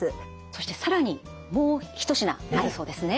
そして更にもう一品あるそうですね。